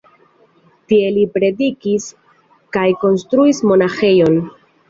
Tie li predikis kaj konstruis monaĥejon.